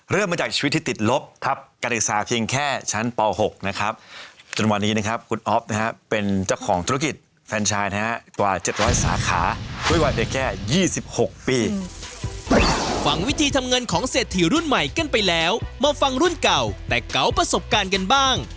เริ่มมาจากชีวิตที่ติดลบ